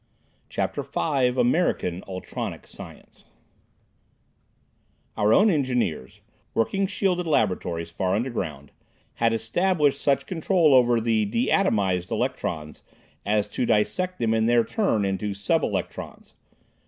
CHAPTER V American Ultronic Science Our own engineers, working in shielded laboratories far underground, had established such control over the "de atomized" electrons as to dissect them in their turn into sub electrons.